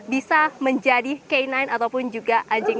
bisa menjadi kainain ataupun juga kainai